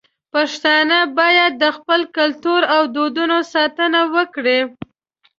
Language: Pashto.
پښتانه بايد د خپل کلتور او دودونو ساتنه وکړي.